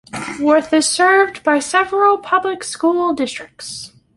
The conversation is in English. Worth is served by several public school districts.